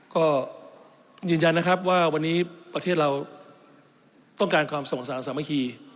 ก็ยืนยันนะครับว่าวันนี้ประเทศเราต้องการความสงสารสามัคคี